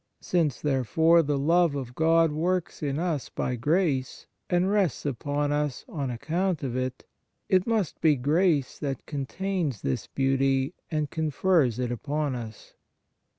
Since, therefore, the love of God works in us by grace, and rests upon us on account of it, it must be grace that contains this beauty, and confers it upon us.